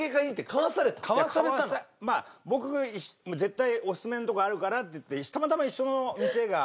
まあ僕が絶対オススメのとこがあるからって言ってたまたま一緒の店が。